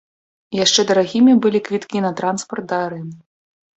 Яшчэ дарагімі былі квіткі на транспарт да арэны.